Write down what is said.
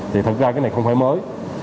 thì thật ra cái này không phải mới